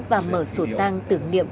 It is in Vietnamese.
và mở sổ tang tưởng niệm